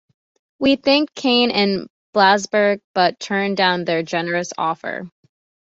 We thanked Kane and Blasberg but turned down their generous offer.